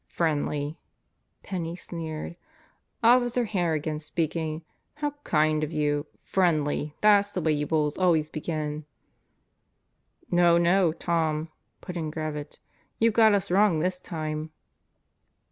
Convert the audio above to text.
"Friendly!" Penney sneered. "Officer Harrigan speaking. How kind of you! Friendly! That's the way you bulls always begin." "No, no, Tom," put in Gravitt. "You've got us wrong this time."